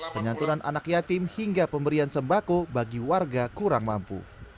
penyantunan anak yatim hingga pemberian sembako bagi warga kurang mampu